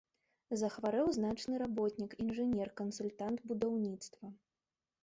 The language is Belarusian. Захварэў значны работнік, інжынер, кансультант будаўніцтва.